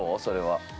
それは。